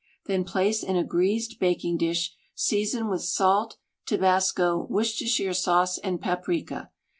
Then place in a greased baking dish, season with salt, tabasco, Worcestershire sauce and paprika.